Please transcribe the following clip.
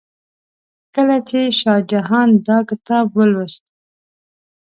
کله چې شاه جهان دا کتاب ولوست.